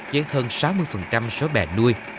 với hơn sáu mươi số bè nuôi